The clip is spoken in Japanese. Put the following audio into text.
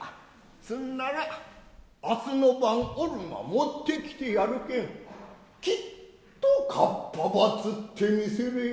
すんならあすの晩俺が持ってきてやるけんきっとかっぱば釣ってみせれよ。